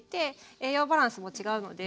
栄養バランスも違うので。